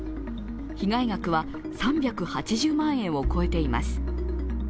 被害額は３８０万円を超えています。